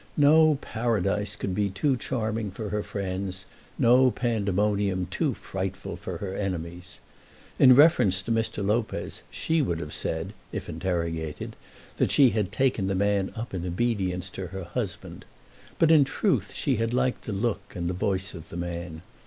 No Paradise could be too charming for her friends; no Pandemonium too frightful for her enemies. In reference to Mr. Lopez she would have said, if interrogated, that she had taken the man up in obedience to her husband. But in truth she had liked the look and the voice of the man.